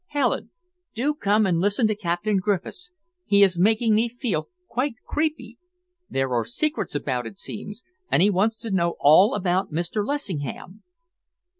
"Helen, do come and listen to Captain Griffiths! He is making me feel quite creepy. There are secrets about, it seems, and he wants to know all about Mr. Lessingham."